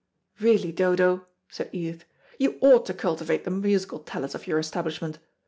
"Really, Dodo," said Edith, "you ought to cultivate the musical talents of your establishment.